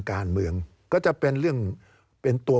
การเลือกตั้งครั้งนี้แน่